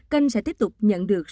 kênh sẽ tiếp tục nhận được